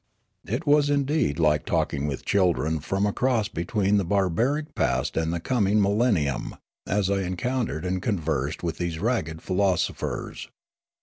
It was indeed like talking with children from a cross between the barbaric past and the coming millennium, as I encountered and conversed with these ragged philosophers.